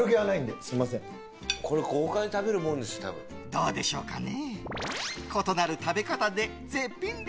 どうでしょうかね。